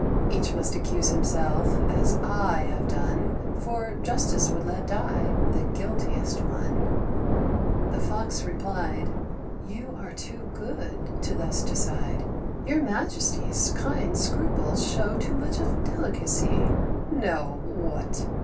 Each must accuse himself, as I Have done; for justice would let die The guiltiest one." The Fox replied "You are too good to thus decide. [Illustration: THE ANIMAL SICK OF THE PLAGUE.] Your Majesty's kind scruples show Too much of delicacy. No What!